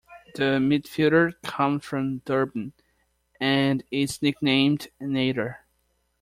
The midfielder comes from Durban, and is nicknamed "Nator".